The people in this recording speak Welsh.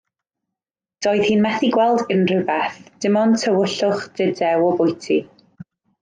Doedd hi'n methu gweld unrhyw beth, dim ond tywyllwch dudew o boptu.